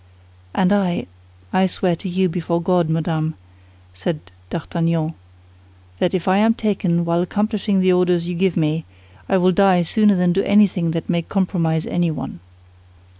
"And I—I swear to you before God, madame," said D'Artagnan, "that if I am taken while accomplishing the orders you give me, I will die sooner than do anything that may compromise anyone."